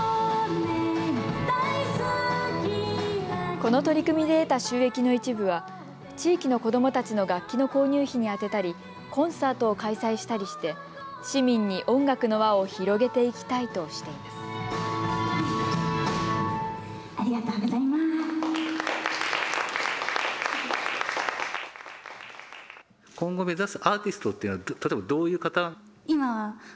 この取り組みで得た収益の一部は地域の子どもたちの楽器の購入費に充てたりコンサートを開催したりして市民に音楽の輪を広げていきたいとしています。